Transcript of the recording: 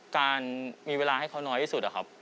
การมีเวลาให้เขาน้อยที่สุดอะครับ